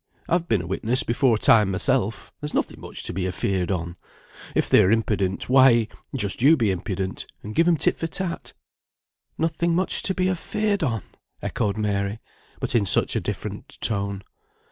I've been a witness before time myself; there's nothing much to be afeared on; if they are impudent, why, just you be impudent, and give 'em tit for tat." "Nothing much to be afeared on!" echoed Mary, but in such a different tone.